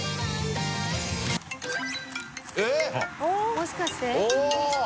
もしかして？